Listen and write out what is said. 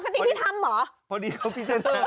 พี่เมฆทำในปกติ